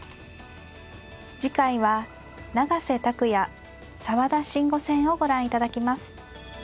次回は永瀬拓矢澤田真吾戦をご覧いただきます。